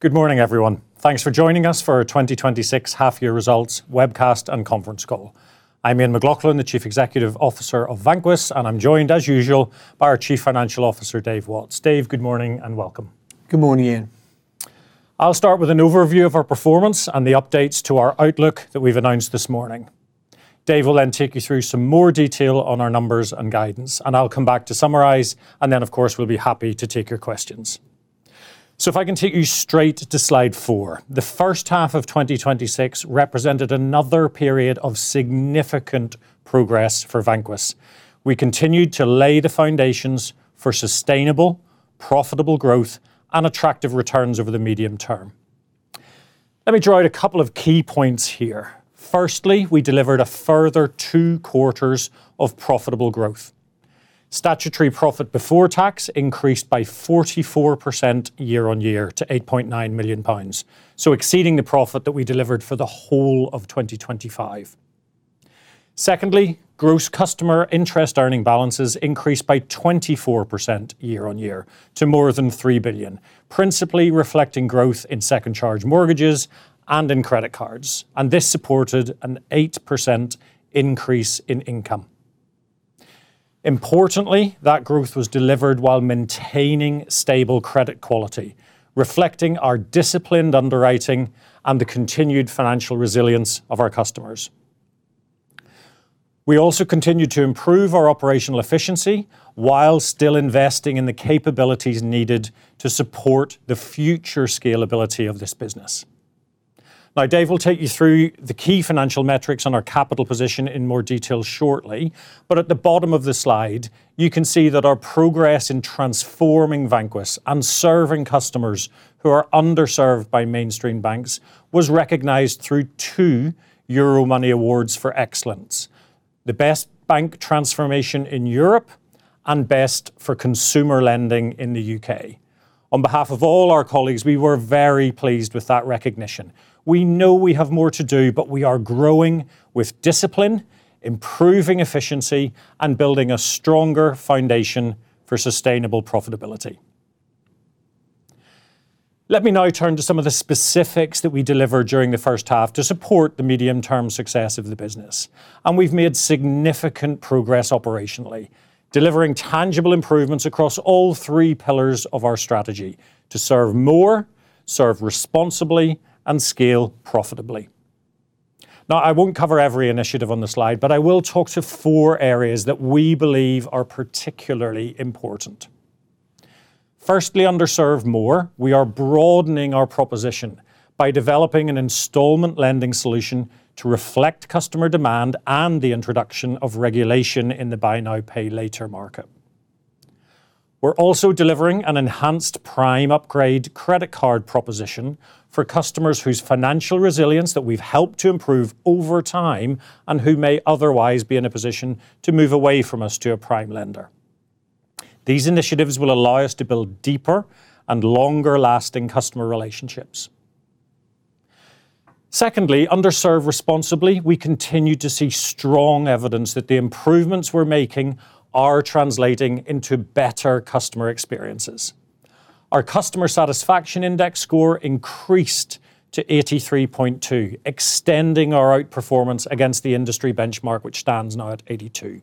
Good morning, everyone. Thanks for joining us for our 2026 Half-Year Results webcast and conference call. I'm Ian McLaughlin, the Chief Executive Officer of Vanquis, and I'm joined as usual by our Chief Financial Officer, Dave Watts. Dave, good morning and welcome. Good morning, Ian. I'll start with an overview of our performance and the updates to our outlook that we've announced this morning. Dave will then take you through some more detail on our numbers and guidance, I'll come back to summarize, then, of course, we'll be happy to take your questions. If I can take you straight to slide four. The first half of 2026 represented another period of significant progress for Vanquis. We continued to lay the foundations for sustainable, profitable growth and attractive returns over the medium term. Let me draw out a couple of key points here. Firstly, we delivered a further two quarters of profitable growth. Statutory profit before tax increased by 44% year-on-year to 8.9 million pounds, exceeding the profit that we delivered for the whole of 2025. Secondly, gross customer interest earning balances increased by 24% year-on-year to more than 3 billion, principally reflecting growth in Second Charge Mortgages and in Credit Cards, this supported an 8% increase in income. Importantly, that growth was delivered while maintaining stable credit quality, reflecting our disciplined underwriting and the continued financial resilience of our customers. We also continued to improve our operational efficiency while still investing in the capabilities needed to support the future scalability of this business. Dave will take you through the key financial metrics on our capital position in more detail shortly, but at the bottom of the slide, you can see that our progress in transforming Vanquis and serving customers who are underserved by mainstream banks was recognized through two Euromoney Awards for Excellence, the Best Bank Transformation in Europe and Best for Consumer Lending in the U.K. On behalf of all our colleagues, we were very pleased with that recognition. We know we have more to do, but we are growing with discipline, improving efficiency, and building a stronger foundation for sustainable profitability. Let me now turn to some of the specifics that we delivered during the first half to support the medium-term success of the business. We've made significant progress operationally, delivering tangible improvements across all three pillars of our strategy to serve more, serve responsibly, and scale profitably. I won't cover every initiative on the slide, but I will talk to four areas that we believe are particularly important. Firstly, underserved more. We are broadening our proposition by developing an installment lending solution to reflect customer demand and the introduction of regulation in the Buy Now, Pay Later market. We're also delivering an enhanced Prime Upgrade Credit Card proposition for customers whose financial resilience that we've helped to improve over time and who may otherwise be in a position to move away from us to a prime lender. These initiatives will allow us to build deeper and longer-lasting customer relationships. Secondly, underserved responsibly, we continue to see strong evidence that the improvements we're making are translating into better customer experiences. Our customer satisfaction index score increased to 83.2, extending our outperformance against the industry benchmark, which stands now at 82.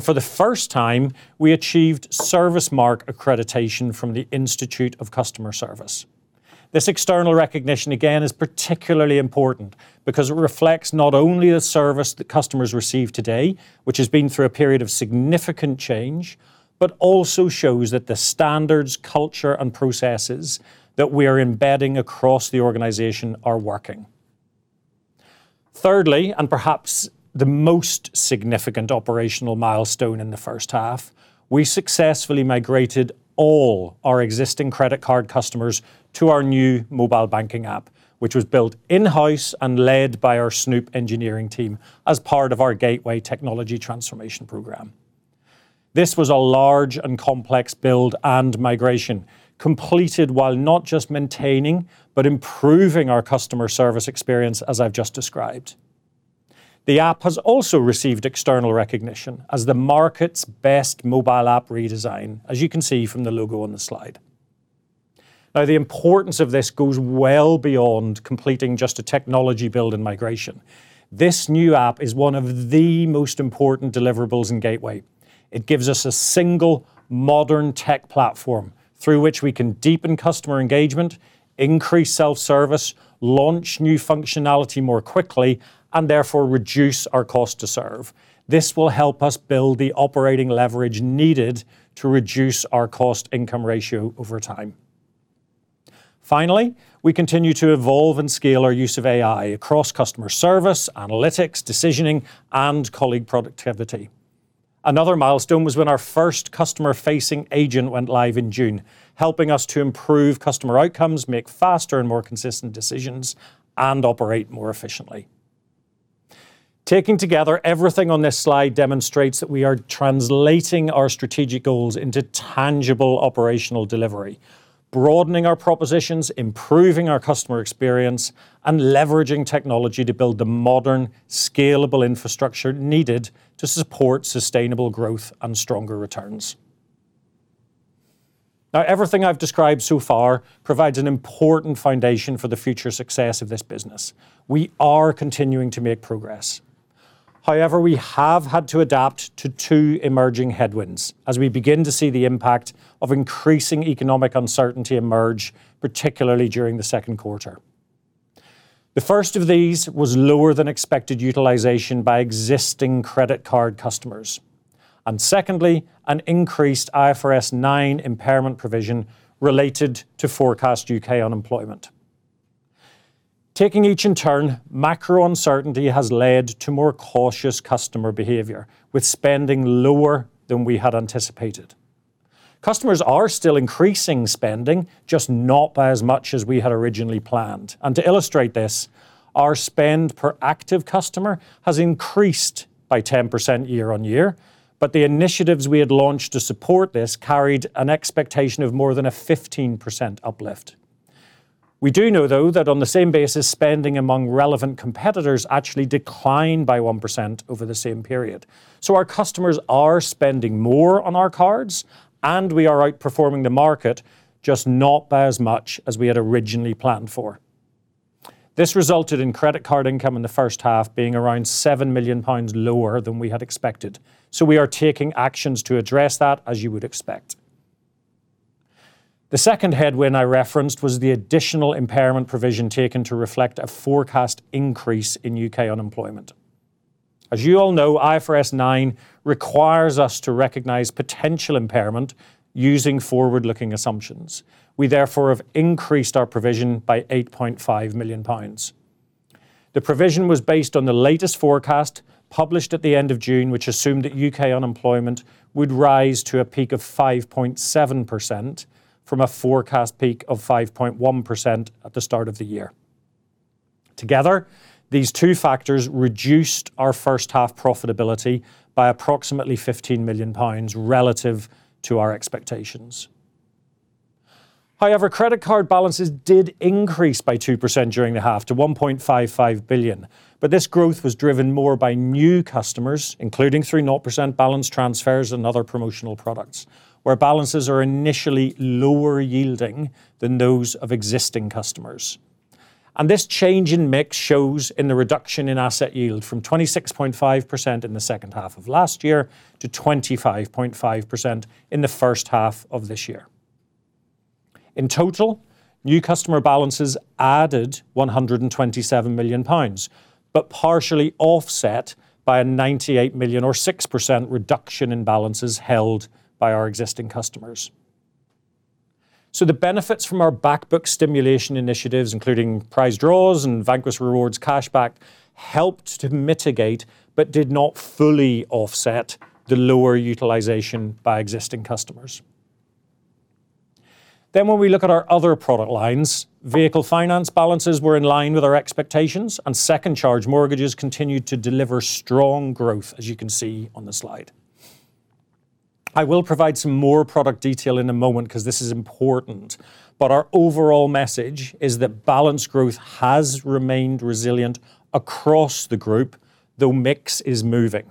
For the first time, we achieved service mark accreditation from the Institute of Customer Service. This external recognition, again, is particularly important because it reflects not only the service that customers receive today, which has been through a period of significant change, but also shows that the standards, culture, and processes that we are embedding across the organization are working. Thirdly, perhaps the most significant operational milestone in the first half, we successfully migrated all our existing Credit Card customers to our new mobile banking app, which was built in-house and led by our Snoop engineering team as part of our Gateway technology transformation program. This was a large and complex build and migration, completed while not just maintaining but improving our customer service experience, as I've just described. The app has also received external recognition as the market's Best Mobile App Redesign, as you can see from the logo on the slide. The importance of this goes well beyond completing just a technology build and migration. This new app is one of the most important deliverables in Gateway. It gives us a single modern tech platform through which we can deepen customer engagement, increase self-service, launch new functionality more quickly, and therefore reduce our cost to serve. This will help us build the operating leverage needed to reduce our cost-income ratio over time. Finally, we continue to evolve and scale our use of AI across customer service, analytics, decisioning, and colleague productivity. Another milestone was when our first customer-facing agent went live in June, helping us to improve customer outcomes, make faster and more consistent decisions, and operate more efficiently. Taking together everything on this slide demonstrates that we are translating our strategic goals into tangible operational delivery, broadening our propositions, improving our customer experience, and leveraging technology to build the modern, scalable infrastructure needed to support sustainable growth and stronger returns. Everything I've described so far provides an important foundation for the future success of this business. We are continuing to make progress. We have had to adapt to two emerging headwinds as we begin to see the impact of increasing economic uncertainty emerge, particularly during the second quarter. The first of these was lower than expected utilization by existing Credit Card customers, secondly, an increased IFRS 9 impairment provision related to forecast U.K. unemployment. Taking each in turn, macro uncertainty has led to more cautious customer behavior, with spending lower than we had anticipated. Customers are still increasing spending, just not by as much as we had originally planned. To illustrate this, our spend per active customer has increased by 10% year-on-year, but the initiatives we had launched to support this carried an expectation of more than a 15% uplift. We do know, though, that on the same basis, spending among relevant competitors actually declined by 1% over the same period. Our customers are spending more on our cards and we are outperforming the market, just not by as much as we had originally planned for. This resulted in Credit Card income in the first half being around 7 million pounds lower than we had expected. We are taking actions to address that, as you would expect. The second headwind I referenced was the additional impairment provision taken to reflect a forecast increase in U.K. unemployment. As you all know, IFRS 9 requires us to recognize potential impairment using forward-looking assumptions. We therefore have increased our provision by 8.5 million pounds. The provision was based on the latest forecast published at the end of June, which assumed that U.K. unemployment would rise to a peak of 5.7% from a forecast peak of 5.1% at the start of the year. Together, these two factors reduced our first half profitability by approximately 15 million pounds relative to our expectations. Credit Card balances did increase by 2% during the half to 1.55 billion. This growth was driven more by new customers, including 3.0% Balance Transfers and other promotional products, where balances are initially lower yielding than those of existing customers. This change in mix shows in the reduction in asset yield from 26.5% in the second half of last year to 25.5% in the first half of this year. In total, new customer balances added 127 million pounds, but partially offset by a 98 million or 6% reduction in balances held by our existing customers. The benefits from our back book stimulation initiatives, including prize draws and Vanquis Rewards cashback, helped to mitigate but did not fully offset the lower utilization by existing customers. When we look at our other product lines, Vehicle Finance balances were in line with our expectations, and Second Charge Mortgages continued to deliver strong growth, as you can see on the slide. I will provide some more product detail in a moment because this is important. Our overall message is that balance growth has remained resilient across the group, though mix is moving.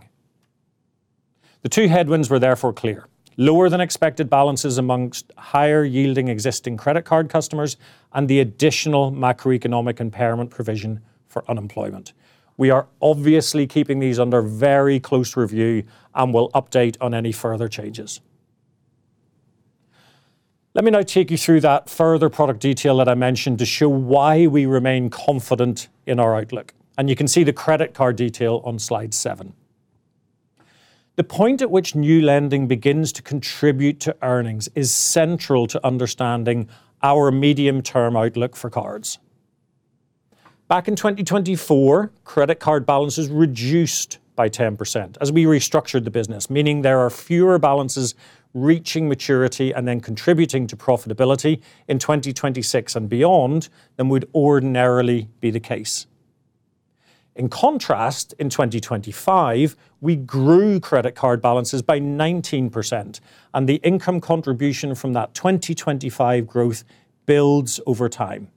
The two headwinds were therefore clear. Lower than expected balances amongst higher yielding existing Credit Card customers and the additional macroeconomic impairment provision for unemployment. We are obviously keeping these under very close review and will update on any further changes. Let me now take you through that further product detail that I mentioned to show why we remain confident in our outlook, and you can see the Credit Card detail on slide seven. The point at which new lending begins to contribute to earnings is central to understanding our medium-term outlook for cards. Back in 2024, Credit Card balances reduced by 10% as we restructured the business, meaning there are fewer balances reaching maturity and then contributing to profitability in 2026 and beyond than would ordinarily be the case. In contrast, in 2025, we grew Credit Card balances by 19%, and the income contribution from that 2025 growth builds over time.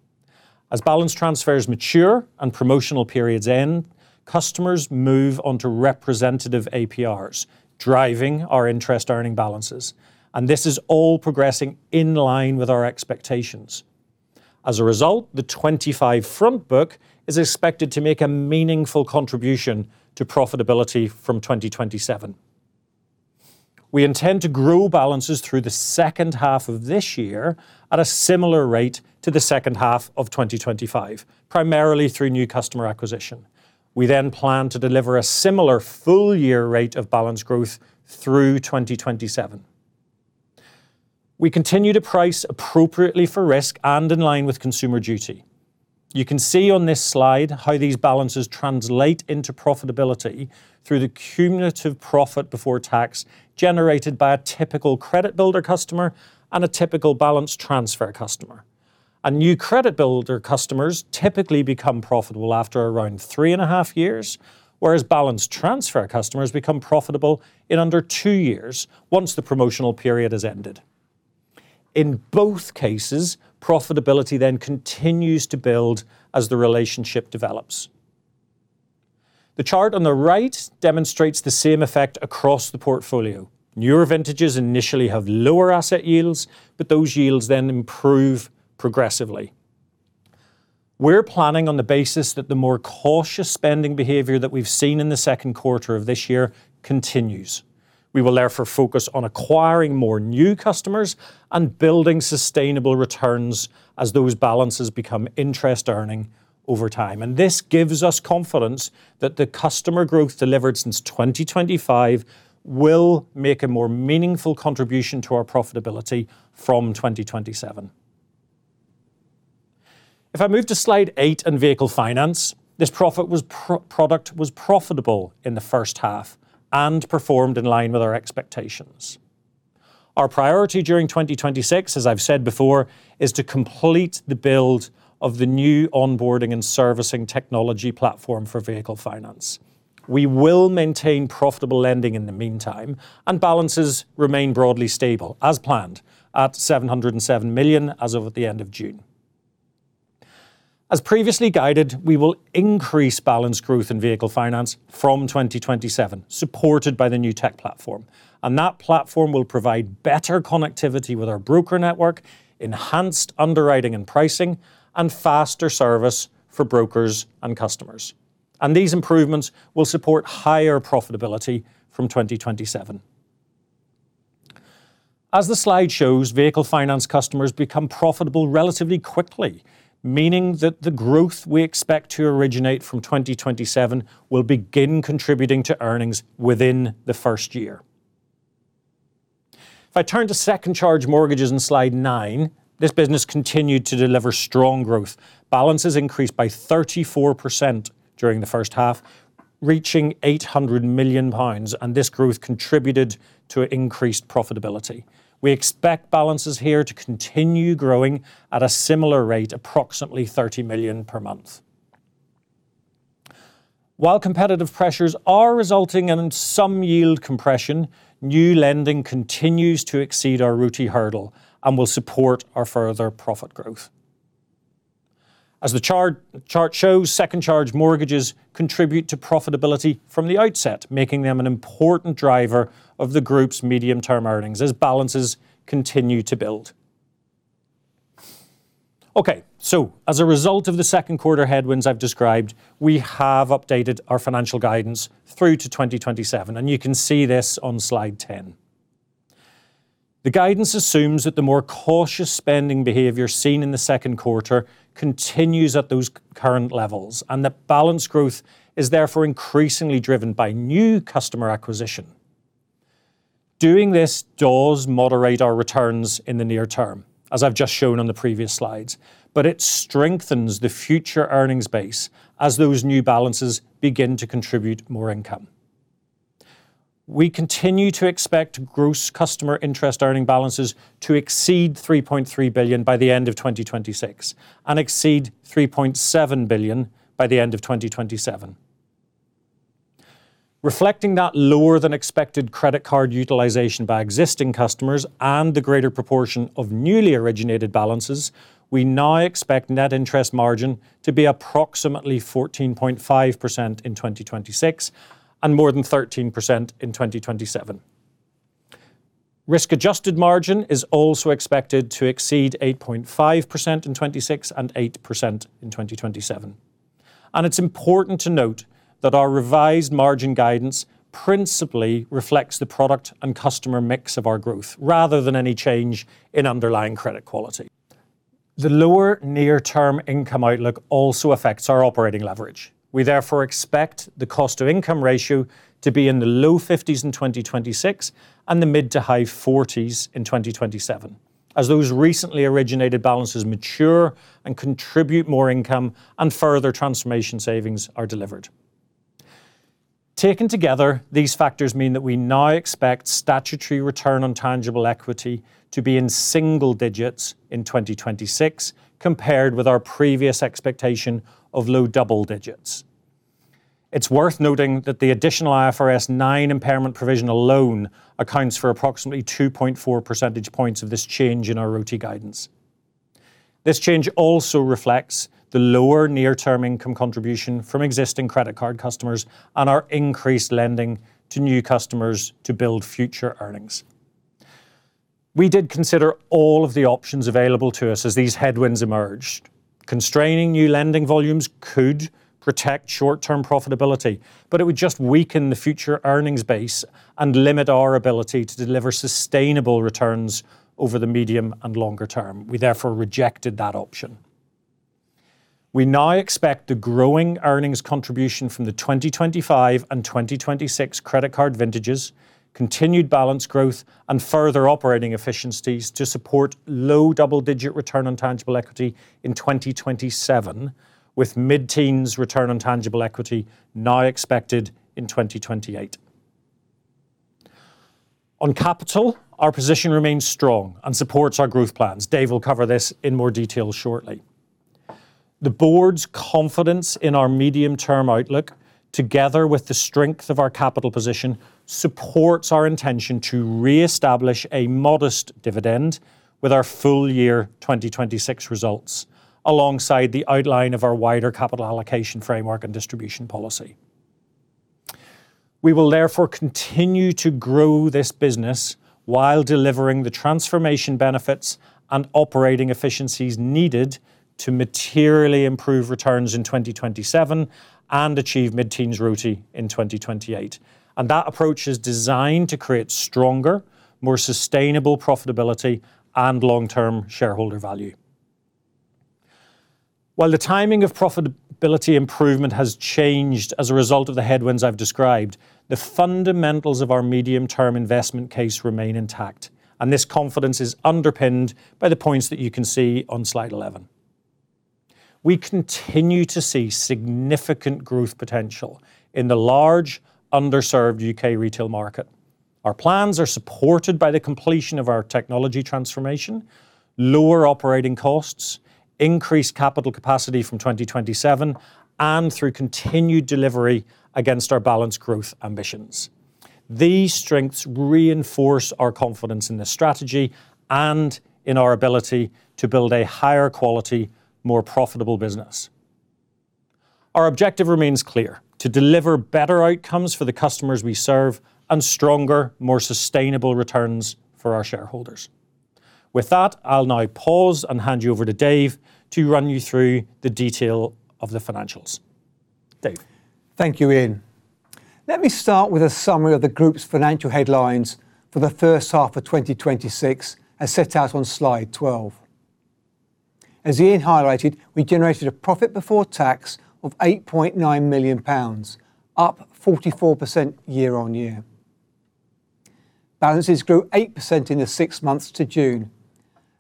As Balance Transfers mature and promotional periods end, customers move onto representative APRs, driving our interest earning balances. This is all progressing in line with our expectations. As a result, the 2025 front book is expected to make a meaningful contribution to profitability from 2027. We intend to grow balances through the second half of this year at a similar rate to the second half of 2025, primarily through new customer acquisition. We plan to deliver a similar full-year rate of balance growth through 2027. We continue to price appropriately for risk and in line with Consumer Duty. You can see on this slide how these balances translate into profitability through the cumulative profit before tax generated by a typical Credit Builder customer and a typical Balance Transfer customer. New Credit Builder customers typically become profitable after around 3.5 years, whereas Balance Transfer customers become profitable in under two years once the promotional period has ended. In both cases, profitability then continues to build as the relationship develops. The chart on the right demonstrates the same effect across the portfolio. Newer vintages initially have lower asset yields, but those yields then improve progressively. We're planning on the basis that the more cautious spending behavior that we've seen in the second quarter of this year continues. We will therefore focus on acquiring more new customers and building sustainable returns as those balances become interest-earning over time. This gives us confidence that the customer growth delivered since 2025 will make a more meaningful contribution to our profitability from 2027. If I move to slide eight and Vehicle Finance, this product was profitable in the first half and performed in line with our expectations. Our priority during 2026, as I've said before, is to complete the build of the new onboarding and servicing technology platform for Vehicle Finance. We will maintain profitable lending in the meantime, and balances remain broadly stable as planned at 707 million as of the end of June. As previously guided, we will increase balance growth in Vehicle Finance from 2027, supported by the new tech platform. That platform will provide better connectivity with our broker network, enhanced underwriting and pricing, and faster service for brokers and customers. These improvements will support higher profitability from 2027. As the slide shows, Vehicle Finance customers become profitable relatively quickly, meaning that the growth we expect to originate from 2027 will begin contributing to earnings within the first year. If I turn to Second Charge Mortgages in slide nine, this business continued to deliver strong growth. Balances increased by 34% during the first half, reaching 800 million pounds, and this growth contributed to increased profitability. We expect balances here to continue growing at a similar rate, approximately 30 million per month. While competitive pressures are resulting in some yield compression, new lending continues to exceed our ROTE hurdle and will support our further profit growth. As the chart shows, Second Charge Mortgages contribute to profitability from the outset, making them an important driver of the group's medium-term earnings as balances continue to build. As a result of the second quarter headwinds I've described, we have updated our financial guidance through to 2027, and you can see this on slide 10. The guidance assumes that the more cautious spending behavior seen in the second quarter continues at those current levels, and that balance growth is therefore increasingly driven by new customer acquisition. Doing this does moderate our returns in the near term, as I've just shown on the previous slides, but it strengthens the future earnings base as those new balances begin to contribute more income. We continue to expect gross customer interest earning balances to exceed 3.3 billion by the end of 2026 and exceed 3.7 billion by the end of 2027. Reflecting that lower than expected Credit Card utilization by existing customers and the greater proportion of newly originated balances, we now expect net interest margin to be approximately 14.5% in 2026 and more than 13% in 2027. Risk-Adjusted Margin is also expected to exceed 8.5% in 2026 and 8% in 2027. It's important to note that our revised margin guidance principally reflects the product and customer mix of our growth rather than any change in underlying credit quality. The lower near-term income outlook also affects our operating leverage. We therefore expect the cost-to-income ratio to be in the low 50s in 2026 and the mid to high 40s in 2027, as those recently originated balances mature and contribute more income and further transformation savings are delivered. Taken together, these factors mean that we now expect statutory return on tangible equity to be in single digits in 2026, compared with our previous expectation of low-double digits. It's worth noting that the additional IFRS 9 impairment provision alone accounts for approximately 2.4 percentage points of this change in our ROTE guidance. This change also reflects the lower near-term income contribution from existing Credit Card customers and our increased lending to new customers to build future earnings. We did consider all of the options available to us as these headwinds emerged. Constraining new lending volumes could protect short-term profitability, but it would just weaken the future earnings base and limit our ability to deliver sustainable returns over the medium and longer term. We therefore rejected that option. We now expect the growing earnings contribution from the 2025 and 2026 Credit Card vintages, continued balance growth, and further operating efficiencies to support low-double-digit return on tangible equity in 2027, with mid-teens return on tangible equity now expected in 2028. On capital, our position remains strong and supports our growth plans. Dave will cover this in more detail shortly. The Board's confidence in our medium-term outlook, together with the strength of our capital position, supports our intention to reestablish a modest dividend with our full year 2026 results, alongside the outline of our wider capital allocation framework and distribution policy. We will therefore continue to grow this business while delivering the transformation benefits and operating efficiencies needed to materially improve returns in 2027 and achieve mid-teens ROTE in 2028. That approach is designed to create stronger, more sustainable profitability and long-term shareholder value. While the timing of profitability improvement has changed as a result of the headwinds I've described, the fundamentals of our medium-term investment case remain intact, and this confidence is underpinned by the points that you can see on slide 11. We continue to see significant growth potential in the large underserved U.K. retail market. Our plans are supported by the completion of our technology transformation, lower operating costs, increased capital capacity from 2027, and through continued delivery against our balanced growth ambitions. These strengths reinforce our confidence in this strategy and in our ability to build a higher quality, more profitable business. Our objective remains clear: to deliver better outcomes for the customers we serve and stronger, more sustainable returns for our shareholders. With that, I'll now pause and hand you over to Dave to run you through the detail of the financials. Dave? Thank you, Ian. Let me start with a summary of the group's financial headlines for the first half of 2026, as set out on slide 12. As Ian highlighted, we generated a profit before tax of 8.9 million pounds, up 44% year-on-year. Balances grew 8% in the six months to June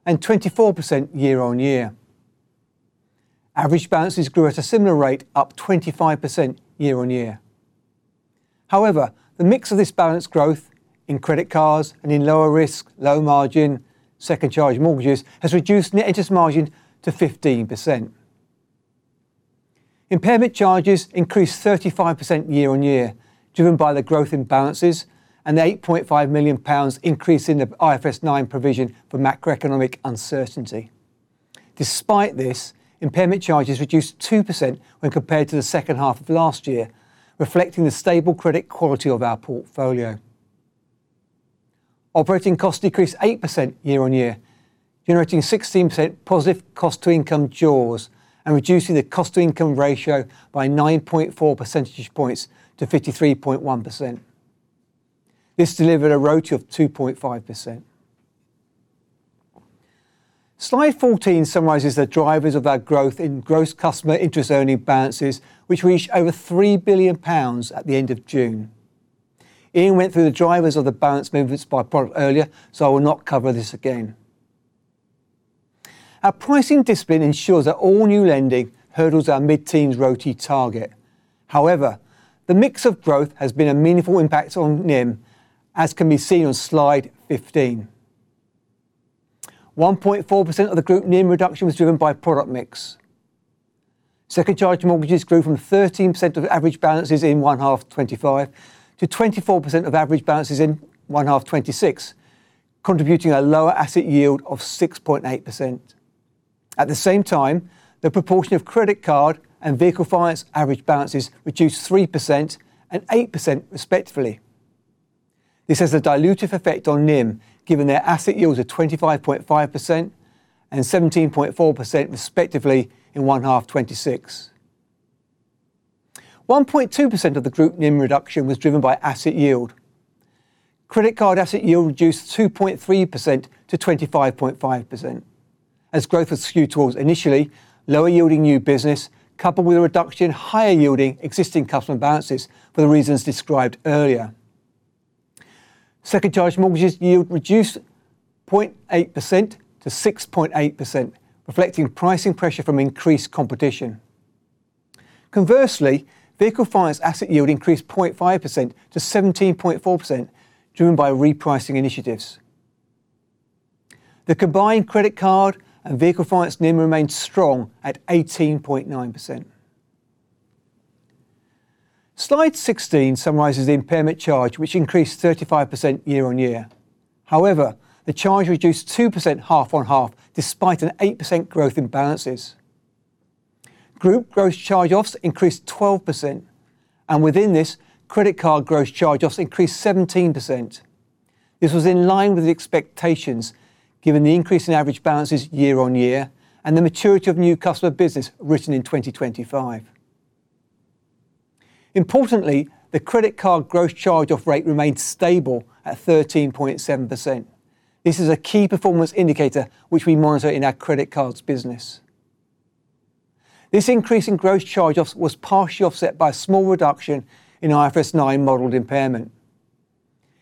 and 24% year-on-year. Average balances grew at a similar rate, up 25% year-on-year. However, the mix of this balance growth in Credit Cards and in lower risk, low margin Second Charge Mortgages has reduced net interest margin to 15%. Impairment charges increased 35% year-on-year, driven by the growth in balances and the 8.5 million pounds increase in the IFRS 9 provision for macroeconomic uncertainty. Despite this, impairment charges reduced 2% when compared to the second half of last year, reflecting the stable Credit quality of our portfolio. Operating costs decreased 8% year-on-year, generating 16% positive cost to income jaws and reducing the cost to income ratio by 9.4 percentage points to 53.1%. This delivered a ROTE of 2.5%. Slide 14 summarizes the drivers of our growth in gross customer interest earning balances, which reached over 3 billion pounds at the end of June. Ian went through the drivers of the balance movements by product earlier, so I will not cover this again. Our pricing discipline ensures that all new lending hurdles our mid-teens ROTE target. However, the mix of growth has been a meaningful impact on NIM, as can be seen on slide 15. 1.4% of the group NIM reduction was driven by product mix. Second Charge Mortgages grew from 13% of average balances in one half of 2025 to 24% of average balances in one half 2026, contributing a lower asset yield of 6.8%. At the same time, the proportion of Credit Card and Vehicle Finance average balances reduced 3% and 8% respectively. This has a dilutive effect on NIM, given their asset yields of 25.5% and 17.4%, respectively, in first half 2026. 1.2% of the group NIM reduction was driven by asset yield. Credit Card asset yield reduced 2.3%-25.5%, as growth was skewed towards initially lower yielding new business, coupled with a reduction in higher yielding existing customer balances for the reasons described earlier. Second Charge Mortgages yield reduced 0.8%-6.8%, reflecting pricing pressure from increased competition. Conversely, Vehicle Finance asset yield increased 0.5%-17.4%, driven by repricing initiatives. The combined Credit Card and Vehicle Finance NIM remained strong at 18.9%. Slide 16 summarizes the impairment charge, which increased 35% year-on-year. However, the charge reduced 2% half-on-half despite an 8% growth in balances. Group gross charge-offs increased 12%. Within this, Credit Card gross charge-offs increased 17%. This was in line with expectations given the increase in average balances year-on-year and the maturity of new customer business written in 2025. Importantly, the Credit Card gross charge-off rate remained stable at 13.7%. This is a key performance indicator, which we monitor in our Credit Cards business. This increase in gross charge-offs was partially offset by a small reduction in IFRS 9 modeled impairment.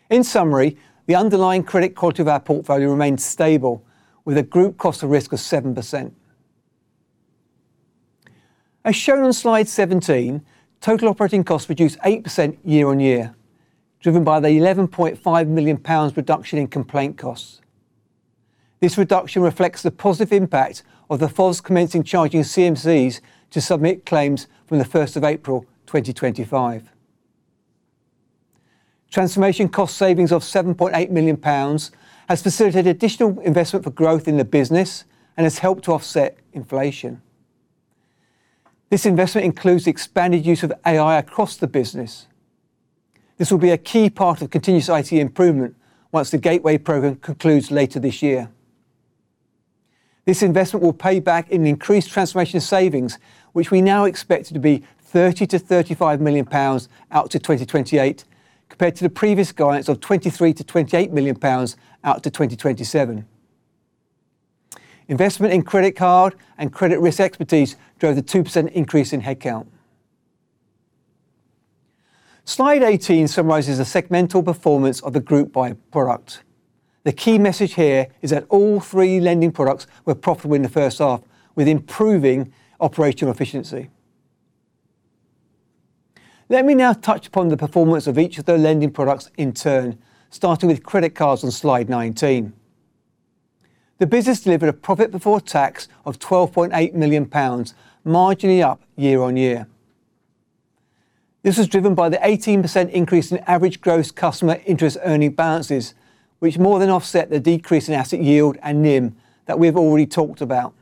In summary, the underlying credit quality of our portfolio remained stable with a group cost of risk of 7%. As shown on slide 17, total operating costs reduced 8% year-on-year, driven by the 11.5 million pounds reduction in complaint costs. This reduction reflects the positive impact of the FOS commencing charging CMCs to submit claims from the 1st of April 2025. Transformation cost savings of 7.8 million pounds has facilitated additional investment for growth in the business and has helped to offset inflation. This investment includes the expanded use of AI across the business. This will be a key part of continuous IT improvement once the Gateway program concludes later this year. This investment will pay back in increased transformation savings, which we now expect to be 30 million-35 million pounds out to 2028, compared to the previous guidance of 23 million-28 million pounds out to 2027. Investment in Credit Card and Credit risk expertise drove the 2% increase in headcount. Slide 18 summarizes the segmental performance of the group by product. The key message here is that all three lending products were profitable in the first half, with improving operational efficiency. Let me now touch upon the performance of each of the lending products in turn, starting with Credit Cards on slide 19. The business delivered a profit before tax of 12.8 million pounds, marginally up year-on-year. This was driven by the 18% increase in average gross customer interest earning balances, which more than offset the decrease in asset yield and NIM that we've already talked about.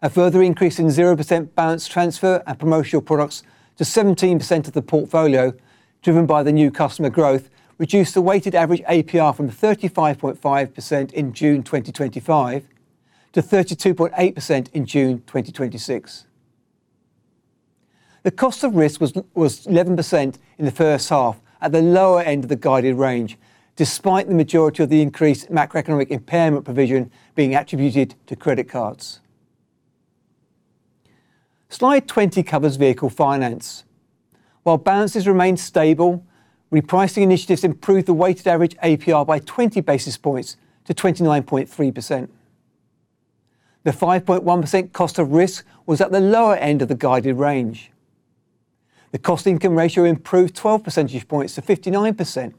A further increase in 0% Balance Transfer and promotional products to 17% of the portfolio, driven by the new customer growth, reduced the weighted average APR from 35.5% in June 2025 to 32.8% in June 2026. The cost of risk was 11% in the first half at the lower end of the guided range, despite the majority of the increased macroeconomic impairment provision being attributed to Credit Cards. Slide 20 covers Vehicle Finance. While balances remain stable, repricing initiatives improve the weighted average APR by 20 basis points to 29.3%. The 5.1% cost of risk was at the lower end of the guided range. The cost-income ratio improved 12 percentage points to 59%.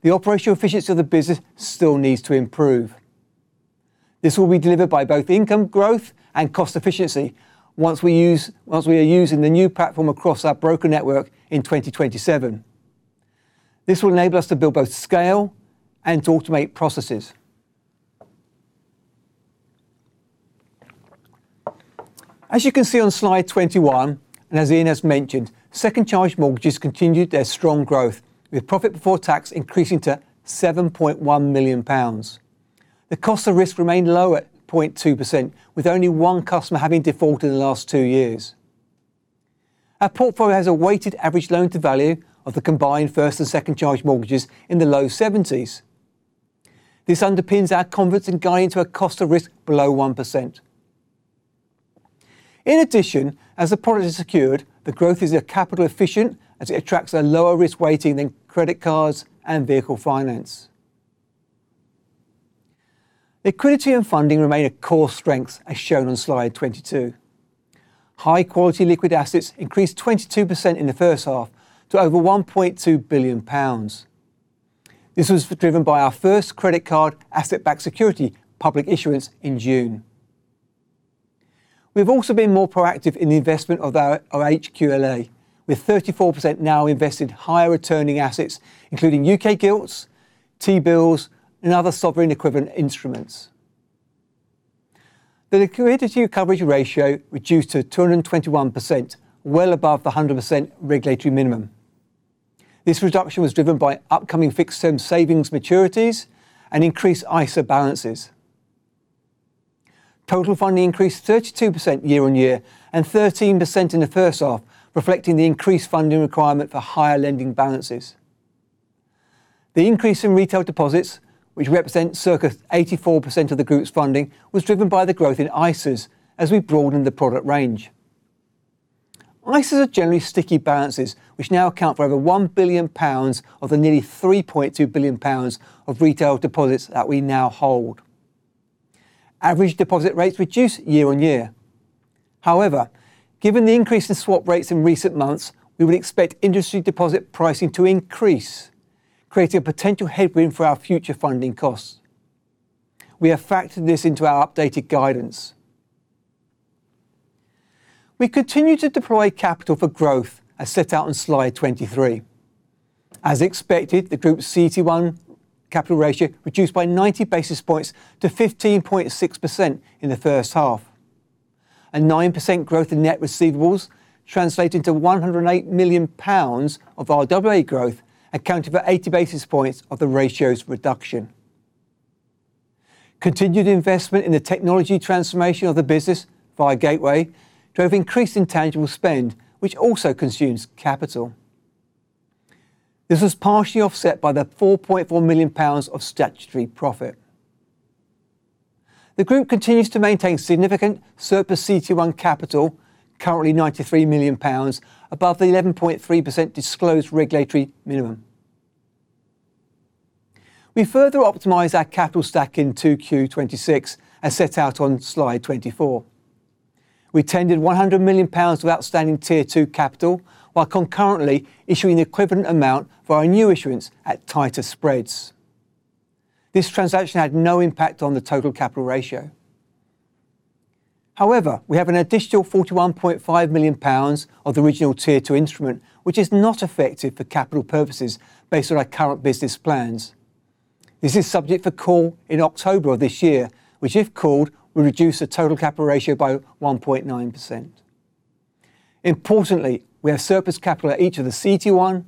The operational efficiency of the business still needs to improve. This will be delivered by both income growth and cost efficiency once we are using the new platform across our broker network in 2027. This will enable us to build both scale and to automate processes. As you can see on slide 21, and as Ian mentioned, Second Charge Mortgages continued their strong growth, with profit before tax increasing to 7.1 million pounds. The cost of risk remained low at 0.2%, with only one customer having defaulted in the last two years. Our portfolio has a weighted average loan to value of the combined first and Second Charge Mortgages in the low 70s. This underpins our confidence in guiding to a cost of risk below 1%. As the product is secured, the growth is capital efficient as it attracts a lower risk weighting than Credit Cards and Vehicle Finance. Liquidity and funding remain a core strength, as shown on slide 22. High quality liquid assets increased 22% in the first half to over 1.2 billion pounds. This was driven by our first Credit Card asset-backed security public issuance in June. We've also been more proactive in the investment of our HQLA, with 34% now invested in higher returning assets, including U.K. gilts, T-bills, and other sovereign equivalent instruments. The liquidity coverage ratio reduced to 221%, well above the 100% regulatory minimum. This reduction was driven by upcoming fixed term savings maturities and increased ISA balances. Total funding increased 32% year-on-year and 13% in the first half, reflecting the increased funding requirement for higher lending balances. The increase in retail deposits, which represent circa 84% of the group's funding, was driven by the growth in ISAs as we broaden the product range. ISAs are generally sticky balances, which now account for over 1 billion pounds of the nearly 3.2 billion pounds of retail deposits that we now hold. Average deposit rates reduced year-on-year. Given the increase in swap rates in recent months, we would expect industry deposit pricing to increase, creating a potential headwind for our future funding costs. We have factored this into our updated guidance. We continue to deploy capital for growth as set out on slide 23. As expected, the group's CET1 capital ratio reduced by 90 basis points to 15.6% in the first half. A 9% growth in net receivables translated to 108 million pounds of RWA growth, accounting for 80 basis points of the ratio's reduction. Continued investment in the technology transformation of the business via Gateway drove increased intangible spend, which also consumes capital. This was partially offset by the 4.4 million pounds of statutory profit. The group continues to maintain significant surplus CET1 capital, currently 93 million pounds, above the 11.3% disclosed regulatory minimum. We further optimized our capital stack in 2Q26, as set out on slide 24. We tended 100 million pounds of outstanding Tier 2 capital while concurrently issuing the equivalent amount for our new issuance at tighter spreads. This transaction had no impact on the total capital ratio. However, we have an additional 41.5 million pounds of the original Tier 2 instrument, which is not effective for capital purposes based on our current business plans. This is subject for call in October of this year, which, if called, will reduce the total capital ratio by 1.9%. Importantly, we have surplus capital at each of the CET1,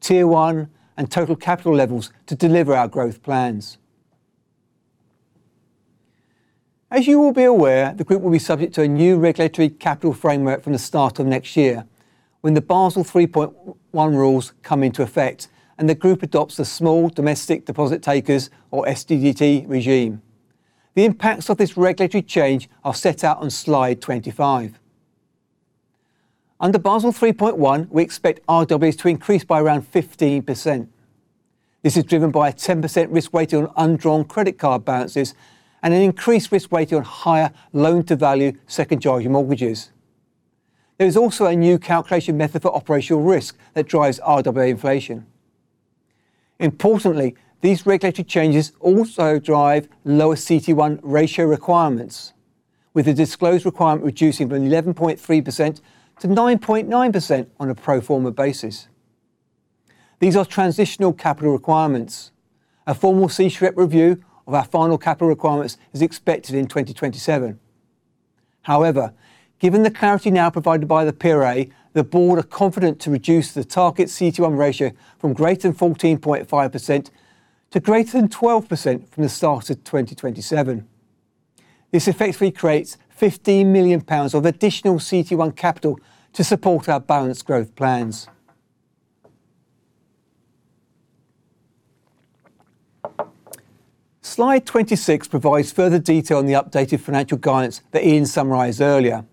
Tier 1, and total capital levels to deliver our growth plans. As you will be aware, the group will be subject to a new regulatory capital framework from the start of next year when the Basel 3.1 rules come into effect and the group adopts the small domestic deposit takers, or SDDT regime. The impacts of this regulatory change are set out on slide 25. Under Basel 3.1, we expect RWAs to increase by around 15%. This is driven by a 10% risk weight on undrawn Credit Cards balances and an increased risk weight on higher loan-to-value Second Charge Mortgages. There is also a new calculation method for operational risk that drives RWA inflation. Importantly, these regulatory changes also drive lower CET1 ratio requirements, with the disclosed requirement reducing from 11.3% to 9.9% on a pro forma basis. These are transitional capital requirements. A formal SREP review of our final capital requirements is expected in 2027. Given the clarity now provided by the PRA, the Board are confident to reduce the target CET1 ratio from greater than 14.5% to greater than 12% from the start of 2027. This effectively creates 15 million pounds of additional CET1 capital to support our balanced growth plans. Slide 26 provides further detail on the updated financial guidance that Ian summarized earlier.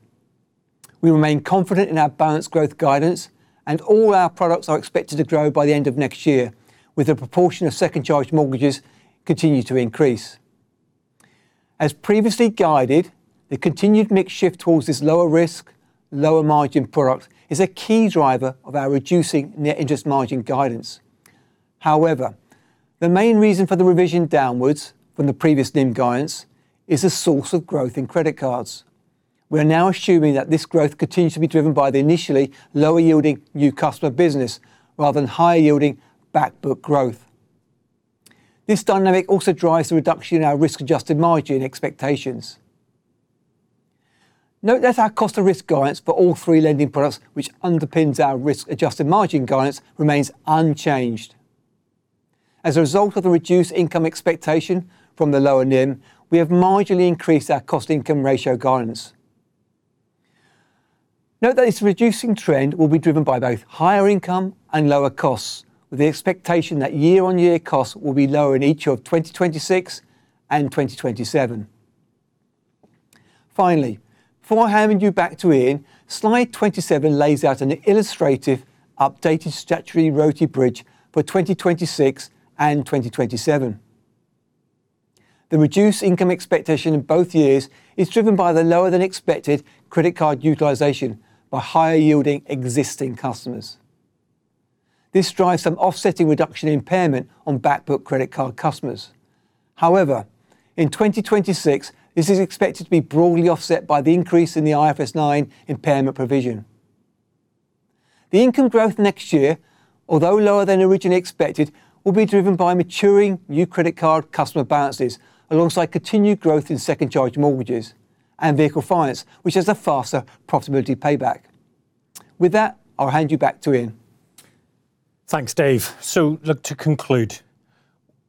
We remain confident in our balanced growth guidance, and all our products are expected to grow by the end of next year, with the proportion of Second Charge Mortgages continue to increase. As previously guided, the continued mix shift towards this lower risk, lower margin product is a key driver of our reducing net interest margin guidance. The main reason for the revision downwards from the previous NIM guidance is a source of growth in Credit Cards. We are now assuming that this growth continues to be driven by the initially lower yielding new customer business rather than higher yielding back book growth. This dynamic also drives the reduction in our Risk-Adjusted Margin expectations. Note that our cost of risk guidance for all three lending products, which underpins our Risk-Adjusted Margin guidance, remains unchanged. As a result of the reduced income expectation from the lower NIM, we have marginally increased our cost income ratio guidance. Note that this reducing trend will be driven by both higher income and lower costs, with the expectation that year-on-year costs will be lower in each of 2026 and 2027. Finally, before handing you back to Ian, slide 27 lays out an illustrative updated statutory ROTE bridge for 2026 and 2027. The reduced income expectation in both years is driven by the lower than expected Credit Cards utilization by higher yielding existing customers. This drives some offsetting reduction in impairment on back book Credit Cards customers. In 2026, this is expected to be broadly offset by the increase in the IFRS 9 impairment provision. The income growth next year, although lower than originally expected, will be driven by maturing new Credit Card customer balances, alongside continued growth in Second Charge Mortgages and Vehicle Finance, which has a faster profitability payback. With that, I'll hand you back to Ian. Thanks, Dave. Look, to conclude,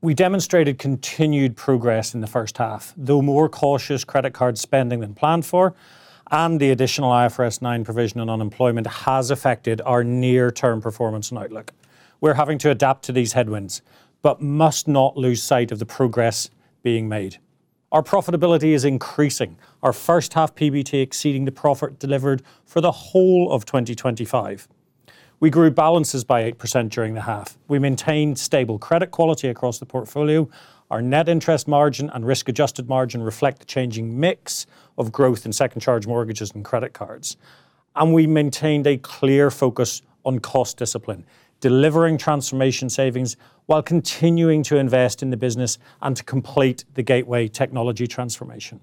we demonstrated continued progress in the first half. Though more cautious Credit Card spending than planned for and the additional IFRS 9 provision on unemployment has affected our near-term performance and outlook. We're having to adapt to these headwinds but must not lose sight of the progress being made. Our profitability is increasing. Our first half PBT exceeding the profit delivered for the whole of 2025. We grew balances by 8% during the half. We maintained stable credit quality across the portfolio. Our net interest margin and Risk-Adjusted Margin reflect the changing mix of growth in Second Charge Mortgages and Credit Cards. We maintained a clear focus on cost discipline, delivering transformation savings while continuing to invest in the business and to complete the Gateway technology transformation.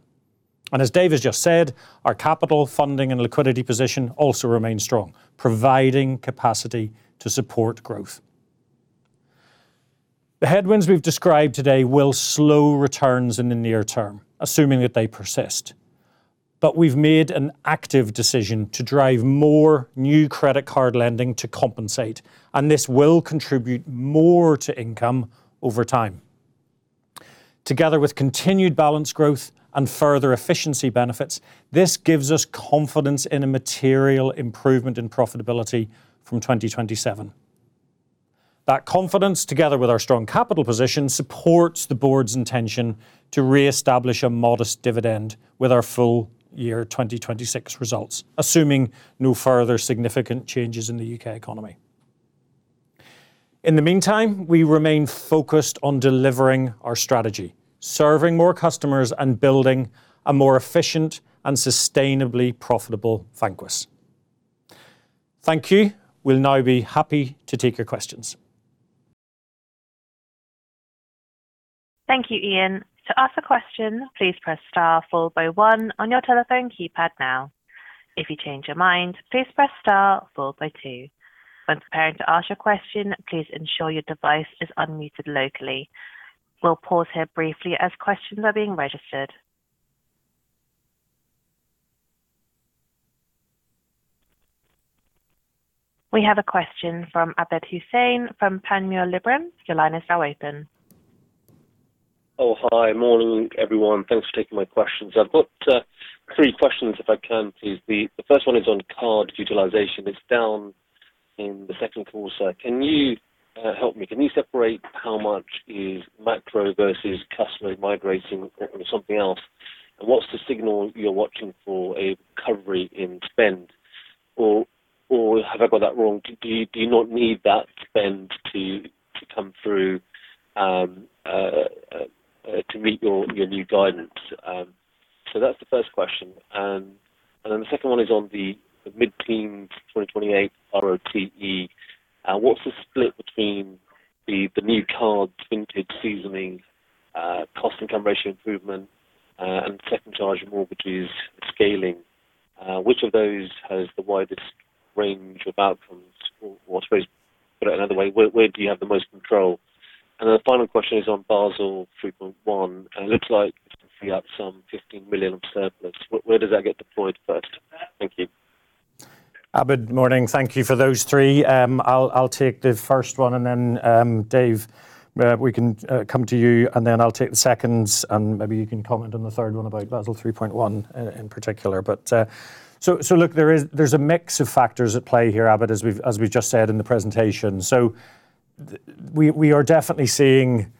As Dave has just said, our capital funding and liquidity position also remains strong, providing capacity to support growth. The headwinds we've described today will slow returns in the near term, assuming that they persist. We've made an active decision to drive more new Credit Card lending to compensate, this will contribute more to income over time. Together with continued balance growth and further efficiency benefits, this gives us confidence in a material improvement in profitability from 2027. That confidence, together with our strong capital position, supports the board's intention to reestablish a modest dividend with our full year 2026 results, assuming no further significant changes in the U.K. economy. In the meantime, we remain focused on delivering our strategy, serving more customers, and building a more efficient and sustainably profitable Vanquis. Thank you. We'll now be happy to take your questions. Thank you, Ian. To ask a question, please press star followed by one on your telephone keypad now. If you change your mind, please press star followed by two. When preparing to ask your question, please ensure your device is unmuted locally. We'll pause here briefly as questions are being registered. We have a question from Abid Hussain from Panmure Liberum. Your line is now open. Morning, everyone. Thanks for taking my questions. I've got three questions if I can, please. The first one is on card utilization. It's down in the second quarter. Can you help me? Can you separate how much is macro versus customer migrating or something else? What's the signal you're watching for a recovery in spend? Have I got that wrong? Do you not need that spend to come through to meet your new guidance? That's the first question. The second one is on the mid-teens 2028 ROTE. What's the split between the new cards vintage seasoning, cost income ratio improvement, and Second Charge Mortgages scaling? Which of those has the widest range of outcomes? I suppose, put it another way, where do you have the most control? The final question is on Basel 3.1. It looks like you have some 15 million of surplus. Where does that get deployed first? Thank you. Abid, morning. Thank you for those three. I'll take the first one, then Dave, we can come to you, then I'll take the second, and maybe you can comment on the third one about Basel 3.1 in particular. Look, there's a mix of factors at play here, Abid, as we've just said in the presentation. We are definitely seeing